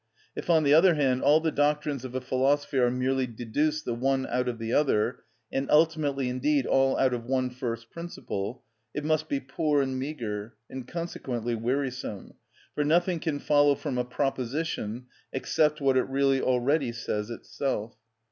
If, on the other hand, all the doctrines of a philosophy are merely deduced the one out of the other, and ultimately indeed all out of one first principle, it must be poor and meagre, and consequently wearisome, for nothing can follow from a proposition except what it really already says itself.